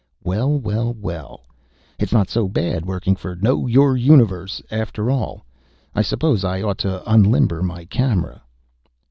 Well, well, well, it's not so bad working for Know Your Universe! after all! I suppose I ought to unlimber my camera....